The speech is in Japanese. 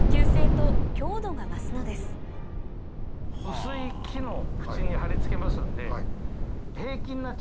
薄い木の縁に貼り付けますんで。